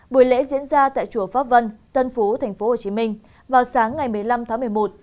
buổi lễ diễn ra tại chùa pháp vân tân phú tp hcm vào sáng ngày một mươi năm tháng một mươi một